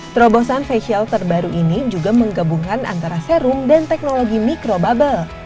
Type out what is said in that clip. terobosan facial terbaru ini juga menggabungkan antara serum dan teknologi mikrobubble